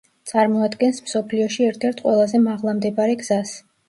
წარმოადგენს მსოფლიოში ერთ-ერთ ყველაზე მაღლა მდებარე გზას.